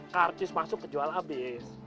kartus masuk kejualan habis